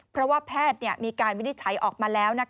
เพราะว่าแพทย์มีการวินิจฉัยออกมาแล้ว